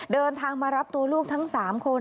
เดินทางมารับตัวลูกทั้ง๓คน